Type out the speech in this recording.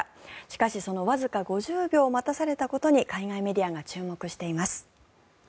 しかしそのわずか５０秒待たされたことに海外メディアが注目しています。